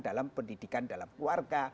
dalam pendidikan dalam keluarga